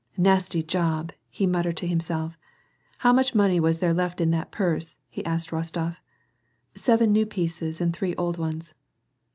*' Nasty job," he muttered to himself. " How much money was there left in that purse ?" he asked of Rostof. " Seven new pieces and three old ones."